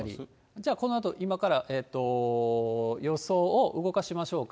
じゃあ、このあと、今から予想を動かしましょうか。